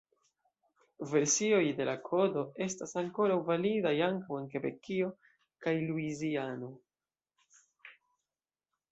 Versioj de la Kodo estas ankoraŭ validaj ankaŭ en Kebekio kaj Luiziano.